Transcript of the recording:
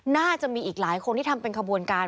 น่าจะมีอีกหลายคนที่ทำเป็นขบวนการ